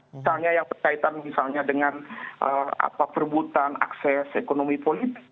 misalnya yang berkaitan misalnya dengan perbutan akses ekonomi politik